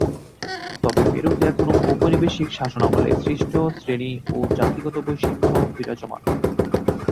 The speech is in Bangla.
তবে পেরুতে এখনও ঔপনিবেশিক শাসনামলে সৃষ্ট শ্রেণী ও জাতিগত বৈষম্য বিরাজমান।